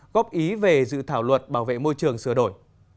góp ý về dự thảo luật bảo vệ môi trường sửa đổi